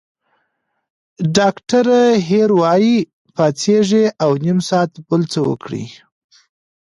ډاکټره هیر وايي، پاڅېږئ او نیم ساعت بل څه وکړئ.